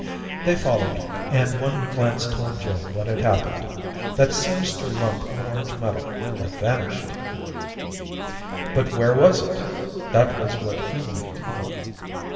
They followed, and one glance told Jim what had happened. That sinister lump of orange metal had vanished. But where was it? That was what he wanted to know.